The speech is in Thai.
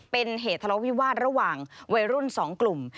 เป็นเหตุทะเลาวิวาสระหว่างวัยรุ่น๒กลุ่ม